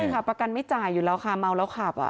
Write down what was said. ใช่ค่ะประกันไม่จ่ายอยู่แล้วค่ะเมาแล้วขับ